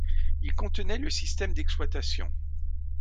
Il contenait le système d'exploitation.